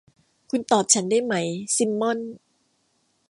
คุณตอบฉันได้ไหม ซิมม่อน